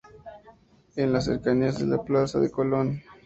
En las cercanías de la plaza de Colón.